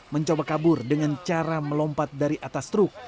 mencoba kabur dengan cara melompat dari atas truk